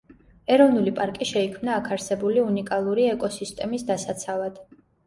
ეროვნული პარკი შეიქმნა აქ არსებული უნიკალური ეკოსისტემის დასაცავად.